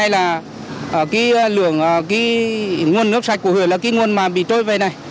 nguồn nước sạch của huyền là nguồn mà bị trôi về này